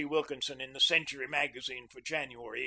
Wilkinson in "The Century Magazine" for January, 1889.)